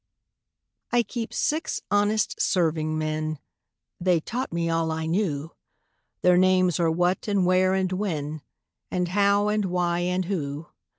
I Keep six honest serving men: (They taught me all I knew) Their names are What and Where and When And How and Why and Who.